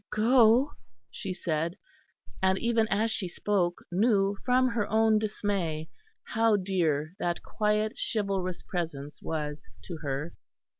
"Go?" she said; and even as she spoke knew from her own dismay how dear that quiet chivalrous presence was to her.